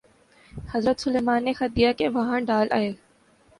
حضرت سلیمان نے خط دیا کہ وہاں ڈال آئے۔